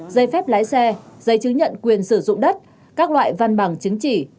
dây phép lái xe dây chứng nhận quyền sử dụng đất các loại văn bằng chứng chỉ